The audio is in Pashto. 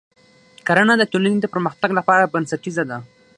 کرنه د ټولنې د پرمختګ لپاره بنسټیزه ده.